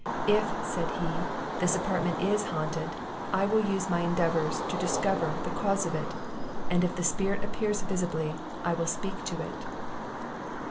"If," said he, "this apartment is haunted, I will use my endeavours to discover the cause of it; and if the spirit appears visibly, I will speak to it."